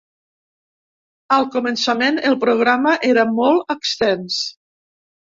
Al començament el programa era molt extens.